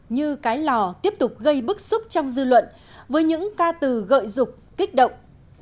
như cái lò tiếp tục gây bức xúc trong dư luận với những ca từ gợi rục kích động